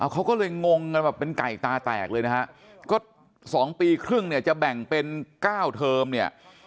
เขาก็เลยงงกันแบบเป็นไก่ตาแตกเลยนะฮะก็๒ปีครึ่งเนี่ยจะแบ่งเป็น๙เทอมเนี่ย